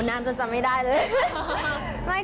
น่างจำจะไม่ได้เลย